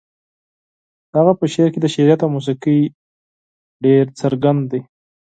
د هغه په شعر کې شعريت او موسيقي ډېر څرګند دي.